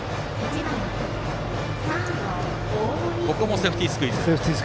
ここもセーフティースクイズ。